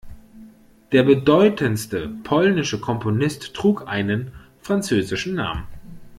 Der bedeutendste polnische Komponist trug einen französischen Namen.